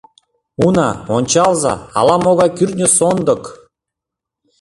— Уна, ончалза, ала-могай кӱртньӧ сондык!